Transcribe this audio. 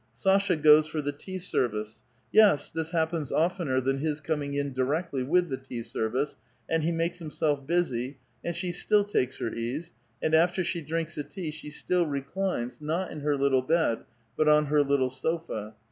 Sasha goes for the tea service ; yes, this happens oftener than his coming in directly with the tea service, and he makes himself busy, and she still takes her ease, and after she drinks the tea she still reclines, not in her little bed, but on her little sofa.